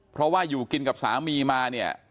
เพราะว่าอยู่กินกับสามีมาเนี่ย